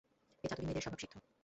এ চাতুরী মেয়েদের স্বভাবসিদ্ধ।